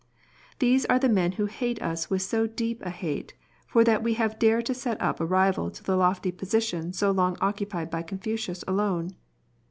These are the men who hate us with so deep a hate, for that we have dared to set up a rival to the lofty position so long occupied by Confucius alone.